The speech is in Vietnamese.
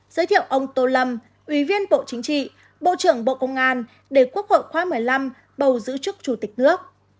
giới thiệu ông tô lâm ủy viên bộ chính trị bộ trưởng bộ công an để quốc hội khóa một mươi năm bầu giữ chức chủ tịch nước